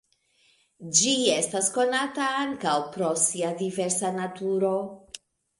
Ĝi estas konata ankaŭ pro sia diversa naturo.